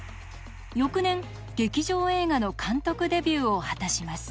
翌年劇場映画の監督デビューを果たします。